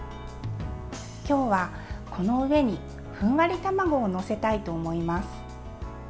今日は、この上にふんわり卵を載せたいと思います。